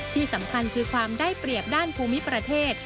ที่สำคัญคือความได้เปรียบด้านภูมิประเทศ